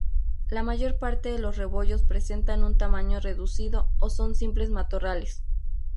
La mayor parte de los rebollos presentan un tamaño reducido, o son simples matorrales.